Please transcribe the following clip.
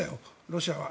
ロシアは。